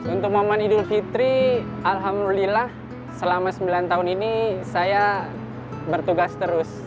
untuk momen idul fitri alhamdulillah selama sembilan tahun ini saya bertugas terus